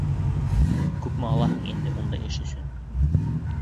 Күпме алаһың инде ундай эш өсөн?